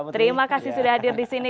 terima kasih sudah hadir di sini